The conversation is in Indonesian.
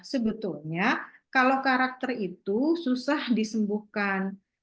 sebetulnya kalau karakter itu susah disembuhkan